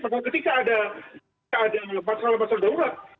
maka ketika ada masalah masalah darurat